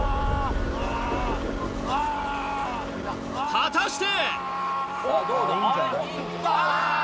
果たして！？